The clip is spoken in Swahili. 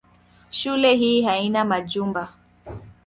Shule hii hana majumba.